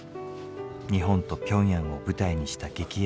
日本とピョンヤンを舞台にした劇映画。